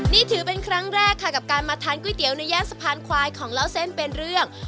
นี่ถือเป็นครั้งแรกค่ะกับการมาทานก๋วยเตี๋ยวในย่านสะพานควายของเล่าเส้นเป็นเรื่อง